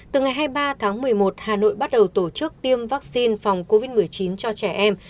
từ ngày hai mươi ba tháng một mươi một hà nội bắt đầu tổ chức tiêm vaccine phòng covid một mươi chín cho trẻ em